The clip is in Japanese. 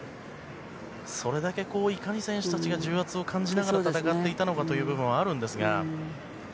それだけいかに選手たちが重圧を感じながら戦っていたのかという部分はあるんですが。